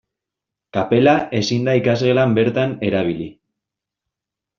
Kapela ezin da ikasgelan bertan erabili.